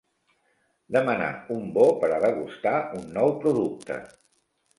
Demanar un bo per a degustar un nou producte.